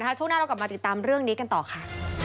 ช่วงหน้าเรากลับมาติดตามเรื่องนี้กันต่อค่ะ